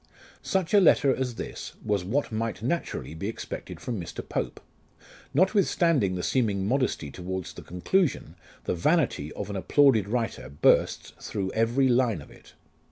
Such a letter as this was what might naturally be expected from Mr. Pope. Notwithstanding the seeming modesty towards the conclusion, the vanity of an applauded writer bursts through every line of it.